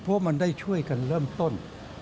เพราะมันได้ช่วยกันเริ่มต้น